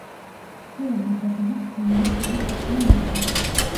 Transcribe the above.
ცელა მოგვაგონებს ბუნების ხელით შექმნილ მუზეუმს.